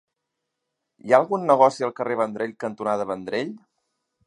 Hi ha algun negoci al carrer Vendrell cantonada Vendrell?